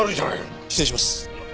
失礼します。